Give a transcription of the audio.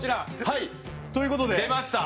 出ました。